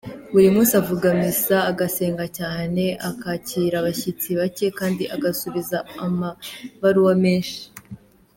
Buri munsi avuga Misa, agasenga cyane, akakira abashyitsi bake kandi agasubiza amabaruwa menshi.